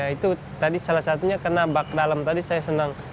itu salah satunya karena bakat alam tadi saya senang